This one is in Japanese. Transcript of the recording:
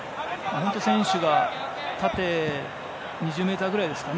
本当に、選手が縦２０ｍくらいですかね。